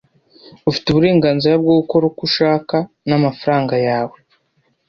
ufite uburenganzira bwo gukora uko ushaka n'amafaranga yawe